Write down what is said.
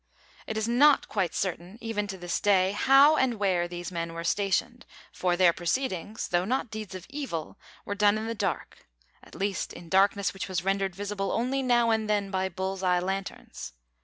It is not quite certain, even to this day, how and where these men were stationed, for their proceedings though not deeds of evil were done in the dark, at least in darkness which was rendered visible only now and then by bull's eye lanterns.